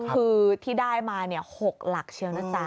คือที่ได้มา๖หลักเชียวนะจ๊ะ